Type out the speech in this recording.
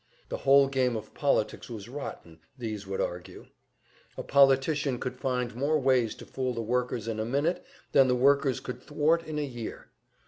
The whole game of politics was rotten, these would argue; a politician could find more ways to fool the workers in a minute than the workers could thwart in a year.